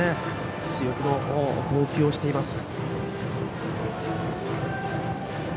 強気の投球をしています。